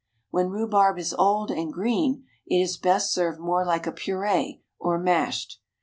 When rhubarb is old and green it is best served more like a puree, or mashed.